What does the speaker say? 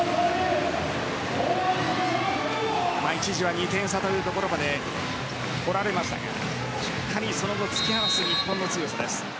一時は２点差というところまで取られましたがしっかりその後突き放す日本の強さです。